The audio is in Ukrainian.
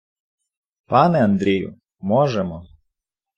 Пане Андрію, можемо.